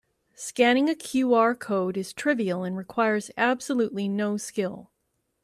Scanning a QR code is trivial and requires absolutely no skill.